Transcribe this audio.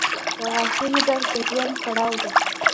• د غاښونو درد د ژوند کړاو دی.